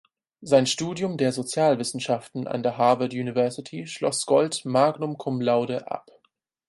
Sein Studium der Sozialwissenschaften an der Harvard University schloss Gold "magna cum laude" ab.